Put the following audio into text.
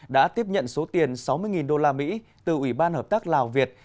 đã tiếp nhận số tiền sáu mươi usd từ ủy ban hợp tác lào việt